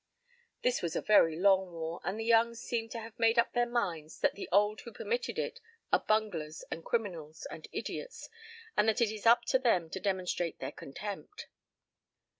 This was a very long war, and the young seem to have made up their minds that the old who permitted it are bunglers and criminals and idiots and that it is up to them to demonstrate their contempt."